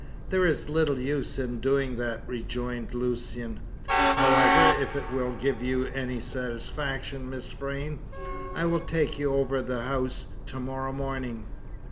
"There is little use in doing that," rejoined Lucian. "However, if it will give you any satisfaction, Miss Vrain, I will take you over the house to morrow morning."